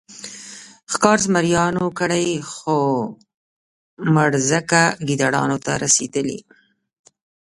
ښکار زمریانو کړی خو مړزکه ګیدړانو ته رسېدلې.